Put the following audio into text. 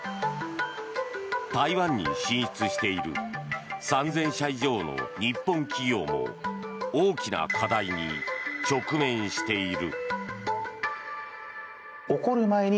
台湾に進出している３０００社以上の日本企業も大きな課題に直面している。